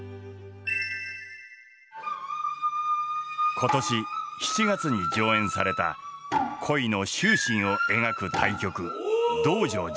今年７月に上演された恋の執心を描く大曲「道成寺」。